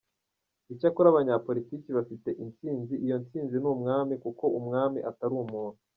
Icyakora abanyapolitiki bafite intsinzi, iyo ntsinzi ni umwami kuko umwami atari umuntu.